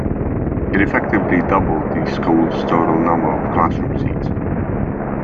It effectively doubled the school's total number of classroom seats.